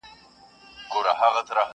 دنیا د غم په ورځ پیدا ده.!